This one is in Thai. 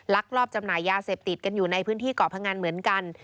ลอบจำหน่ายยาเสพติดกันอยู่ในพื้นที่เกาะพงันเหมือนกัน